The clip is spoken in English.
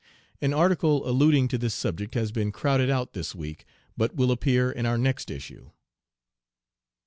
An article alluding to this subject has been crowded out this week, but will appear in our next issue.